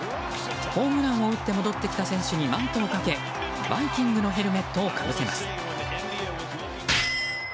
ホームランを打って戻ってきた選手にマントをかけバイキングのヘルメットをかぶせます。